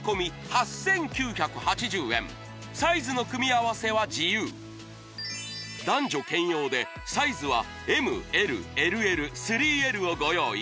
８９８０円サイズの組み合わせは自由男女兼用でサイズはＭＬＬＬ３Ｌをご用意